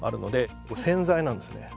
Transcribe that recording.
これ洗剤なんですね。